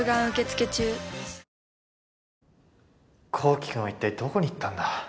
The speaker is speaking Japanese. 紘希君は一体どこに行ったんだ？